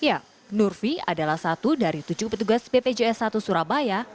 ya nurfi adalah satu dari tujuh petugas bpjs satu surabaya